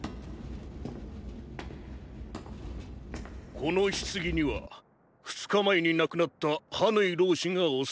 この棺には２日前に亡くなったハヌイ老師が納められている。